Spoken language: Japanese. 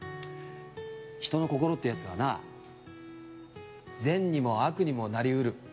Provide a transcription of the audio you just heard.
人の心ってやつはな善にも悪にもなり得る。